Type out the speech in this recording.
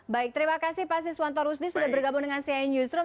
baik terima kasih pak siswanto rusdi sudah bergabung dengan cnn newsroom